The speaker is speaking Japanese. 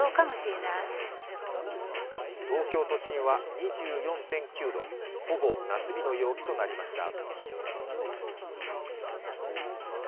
東京都心は２４．９度ほぼ夏日の陽気となりました。